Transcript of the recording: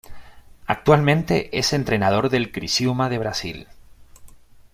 Actualmente es entrenador del Criciúma de Brasil.